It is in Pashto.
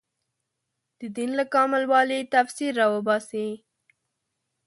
د دین له کامل والي تفسیر راوباسي